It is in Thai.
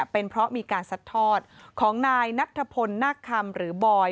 เป็นเพราะมีการซัดทอดของนายนัทธพลนาคคำหรือบอย